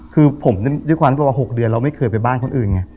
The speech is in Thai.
คือผมด้วยความที่ว่า๖เดือนเราไม่เคยไปบ้านคนอื่นไง